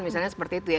misalnya seperti itu ya